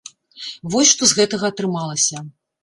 Вось што з гэтага атрымалася.